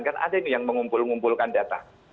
kan ada nih yang mengumpul ngumpulkan data